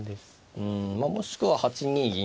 うんまあもしくは８二銀と引いて。